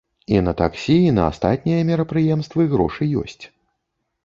І на таксі, і на астатнія мерапрыемствы грошы ёсць.